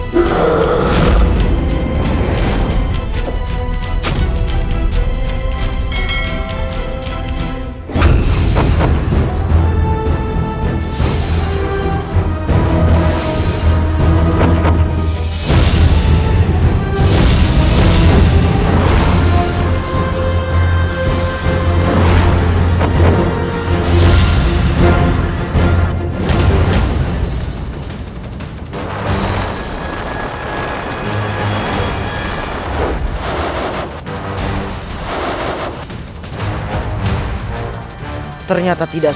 kita dapat menghasilkan